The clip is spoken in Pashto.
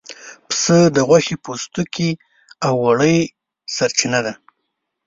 پسه د غوښې، پوستکي او وړۍ سرچینه ده.